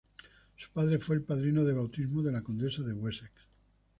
Su padre fue el padrino de bautismo de la condesa de Wessex.